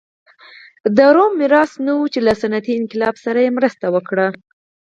د روم میراث نه و چې له صنعتي انقلاب سره مرسته وکړه.